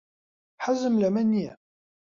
حەزم لەمە نییە.